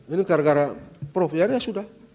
ini gara gara prof yusril ya sudah